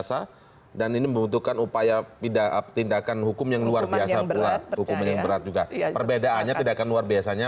sampai jumpa di video selanjutnya